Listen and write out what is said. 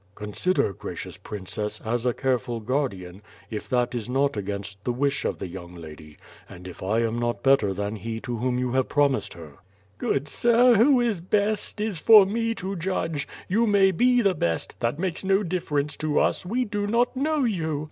"Consider, gracious Princess, as a careful guardian, if that is not against the wish of the young lady, and if I am not better than he to whom you have promised her." "Good sir, who is best, is for me to judge; you may be the best; that makes no difference to us, we do not know you."